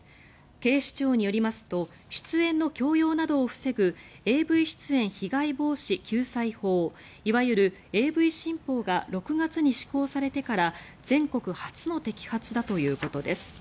警視庁によりますと出演の強要などを防ぐＡＶ出演被害防止・救済法いわゆるＡＶ新法が６月に施行されてから全国初の摘発だということです。